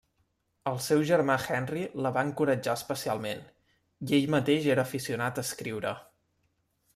El seu germà Henry la va encoratjar especialment, i ell mateix era aficionat a escriure.